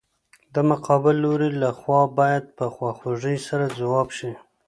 د مقابل لوري له خوا باید په خواخوږۍ سره ځواب شي.